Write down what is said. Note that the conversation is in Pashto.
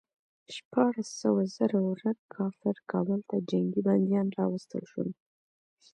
شپاړس سوه زړه ور کافر کابل ته جنګي بندیان راوستل شول.